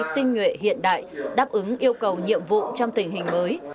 tinh nguyện hiện đại đáp ứng yêu cầu nhiệm vụ trong tình hình mới